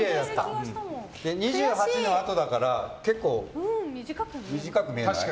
２８のあとだから結構、短く見えない？